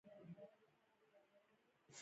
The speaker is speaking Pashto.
جاپان د بنسټونو د پراختیا یو مسیر ځان ته وټاکه.